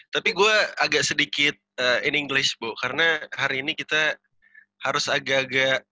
tapi gue agak sedikit ining bu karena hari ini kita harus agak agak